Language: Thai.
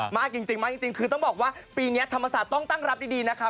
มากจริงมากจริงคือต้องบอกว่าปีนี้ธรรมศาสตร์ต้องตั้งรับดีนะคะ